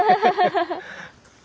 ハハハハ！